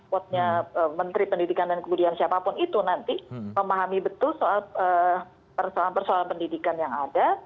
kuatnya menteri pendidikan dan kemudian siapapun itu nanti memahami betul soal persoalan persoalan pendidikan yang ada